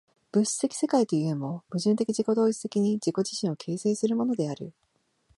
物質的世界というも、矛盾的自己同一的に自己自身を形成するものである。